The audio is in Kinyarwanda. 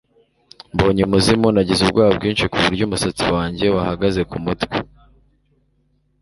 mbonye umuzimu, nagize ubwoba bwinshi kuburyo umusatsi wanjye wahagaze kumutwe. (dejo